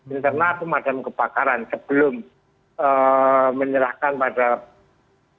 internal pemadaman kebakaran sebelum menyerahkan pada jenis pemadaman kebakaran